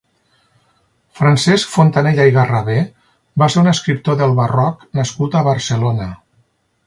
Francesc Fontanella i Garraver va ser un escriptor del Barroc nascut a Barcelona.